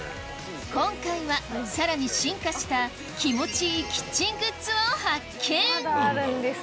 今回はさらに進化した気持ちいいキッチングッズを発見